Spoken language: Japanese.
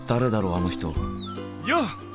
あの人よう！